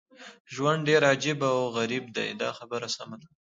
ژوند ډېر عجیب او غریب دی دا خبره سمه ده.